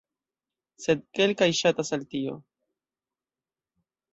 Sed kelkaj ŝatas al tio.